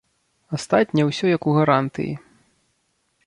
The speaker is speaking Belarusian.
Астатняе ўсё як у гарантыі.